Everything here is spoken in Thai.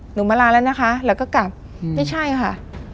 หนูมาลาแล้วนะคะแล้วก็กลับไม่ใช่ค่ะ